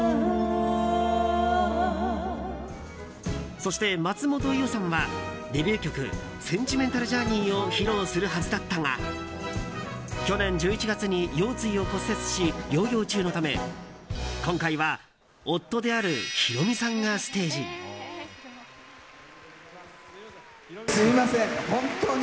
そして、松本伊代さんはデビュー曲「センチメンタル・ジャーニー」を披露するはずだったが去年１１月に腰椎を骨折し療養中のため今回は夫であるヒロミさんがステージに。